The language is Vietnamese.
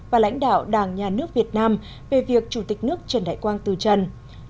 và lãnh đạo đảng nhà nước việt nam về việc chủ tịch nước trần đại quang từ trần